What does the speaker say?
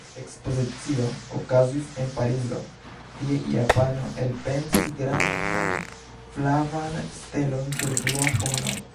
Ekspozicio okazis en Parizo: tie japano elpensis grandan flavan stelon sur blua fono.